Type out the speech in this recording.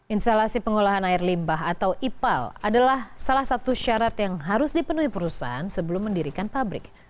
instalasi pengolahan air limbah atau ipal adalah salah satu syarat yang harus dipenuhi perusahaan sebelum mendirikan pabrik